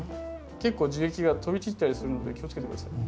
結構樹液が飛び散ったりするので気をつけて下さいね。